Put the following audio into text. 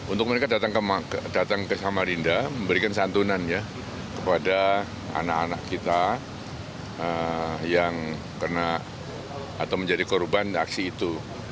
untuk mereka datang ke samarinda memberikan santunan ya kepada anak anak kita yang kena atau menjadi korban aksi itu